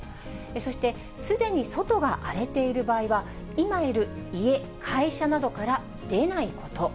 そして、すでに外が荒れている場合は、今いる家、会社などから出ないこと。